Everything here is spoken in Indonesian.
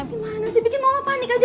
gimana sih bikin malah panik aja